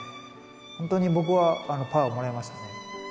本当に僕は、パワーをもらいましたね。